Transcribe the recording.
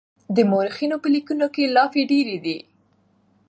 د مورخينو په ليکنو کې لافې ډېرې دي.